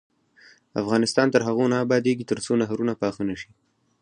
افغانستان تر هغو نه ابادیږي، ترڅو نهرونه پاخه نشي.